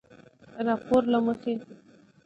راپورله مخې